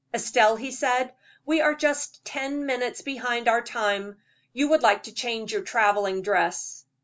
"Estelle," he said, "we are just ten minutes behind our time. You would like to change your traveling dress."